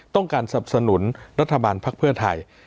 ต้องการสับสนุนรัฐบาลภาคเพื่อไทย